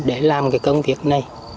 để làm cái công việc này